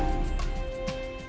bersama kons median